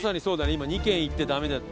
今２軒行ってダメだって。